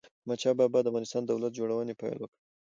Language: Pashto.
احمد شاه بابا د افغانستان د دولت جوړونې پيل وکړ.